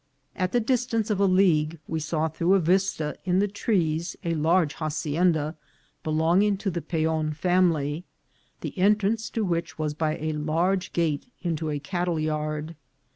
At the distance of a league we saw through a vista in the trees a large hacienda belonging to the Peon family, the entrance to which was by a large gate into a cattle yard.